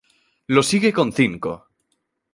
Lo sigue con cinco.